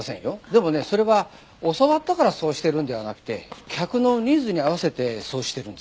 でもねそれは教わったからそうしているんではなくて客のニーズに合わせてそうしてるんです。